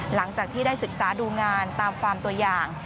หลังจากที่ได้ศึกษาดูงานตามฟาร์มตัวอย่าง